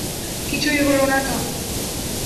কিছুই হলো না তো।